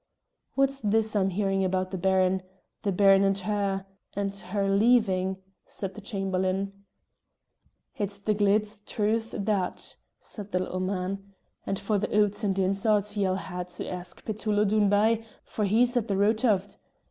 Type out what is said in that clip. "What's this I'm hearing about the Baron the Baron and her and her, leaving?" said the Chamberlain. "It's the glide's truth that," said the little man; "and for the oots and ins o't ye'll hae to ask Petullo doon by, for he's at the root o't.